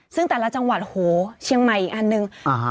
ซึ่งแต่ละจังหวัดโหเชียงใหม่อีกอันหนึ่ง